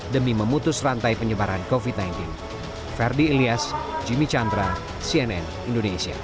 demi memutus rantai penyebaran covid sembilan belas